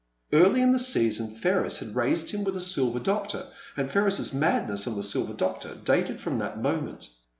Early in the season Ferris had raised him with a Silver Doctor, and Ferris's madness on the Silver Doctor dated firom that moment.